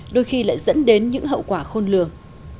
đôi khi lại dẫn đến những hậu quả khôn lường